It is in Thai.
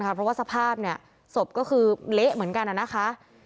เพราะว่าสภาพศพก็คือเละเหมือนกันนะคะ